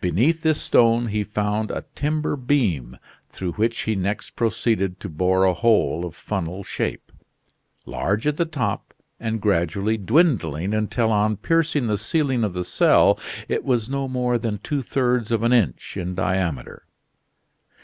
Beneath this stone he found a timber beam, through which he next proceeded to bore a hole of funnel shape, large at the top and gradually dwindling until on piercing the ceiling of the cell it was no more than two thirds of an inch in diameter.